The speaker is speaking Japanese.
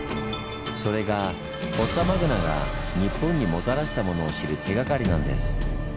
それがフォッサマグナが日本にもたらしたものを知る手がかりなんです。